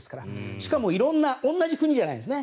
しかも色んな同じ国じゃないんですね。